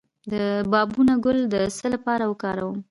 د بابونه ګل د څه لپاره وکاروم؟